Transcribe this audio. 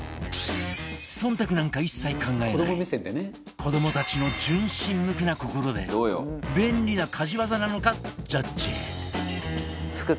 忖度なんか一切考えない子どもたちの純真無垢な心で便利な家事ワザなのかジャッジ